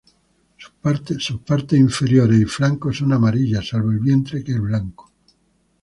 Sus partes inferiores y flancos son amarillas, salvo el vientre que es blanco.